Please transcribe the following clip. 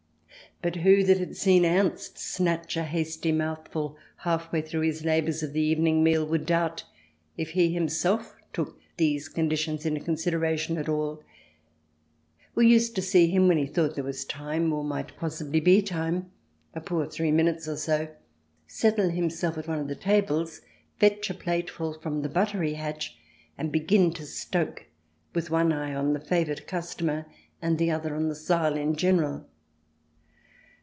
But who that had seen Ernst snatch a hasty mouthful halfway through his labours of the evening meal would doubt if he him self took these conditions into consideration at all ? We used to see him, when he thought there was time, or might possibly be time — a poor three minutes or so — settle himself at one of the tables, fetch a plateful from the buttery hatch and begin to stoke, with one eye on the favoured customer and the other on the Saal in general.